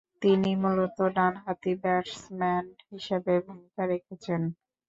তিনি মূলতঃ ডানহাতি ব্যাটসম্যান হিসেবে ভূমিকা রেখেছেন।